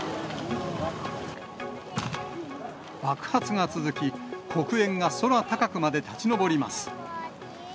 爆発が続き、黒煙が空高くまで立ち上ります。